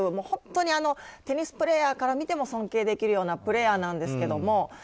本当にテニスプレーヤーから見ても尊敬できるようなプレーヤーなんですけども。